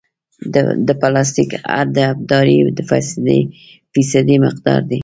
د پلاستیک حد د ابدارۍ د فیصدي مقدار دی